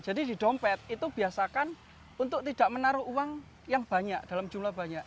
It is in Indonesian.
jadi di dompet itu biasakan untuk tidak menaruh uang yang banyak dalam jumlah banyak